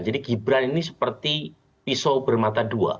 jadi gibran ini seperti pisau bermata dua